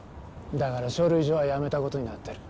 だから書類上は辞めた事になってる。